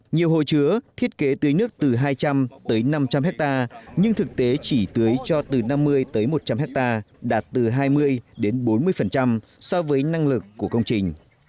nhiều hồ chứa thiết kế tưới nước từ hai trăm linh tới năm trăm linh hectare nhưng thực tế chỉ tưới cho từ năm mươi tới một trăm linh hectare đạt từ hai mươi đến bốn mươi so với năng lực của công trình